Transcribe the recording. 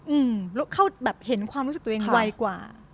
อืมเขาแบบเห็นความรู้สึกตัวเองไวกว่า